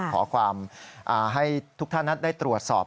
ขอความให้ทุกท่านนั้นได้ตรวจสอบ